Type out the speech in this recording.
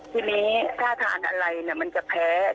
ทีนี้ถ้าทานอะไรมันจะแพ้